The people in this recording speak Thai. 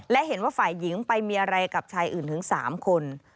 และเห็นว่าฝ่ายหญิงไปมีอะไรกับชายอื่นถึง๓คน